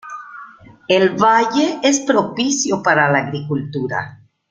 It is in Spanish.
El valle es propicio para la agricultura.